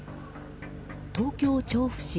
東京・調布市。